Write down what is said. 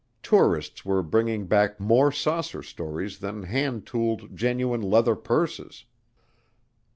Tourists were bringing back more saucer stories than hand tooled, genuine leather purses.